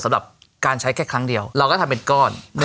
สำหรับการใช้แค่ครั้งเดียวเราก็ทำเป็นก้อน